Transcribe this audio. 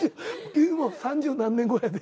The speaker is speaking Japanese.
君も三十何年後やで。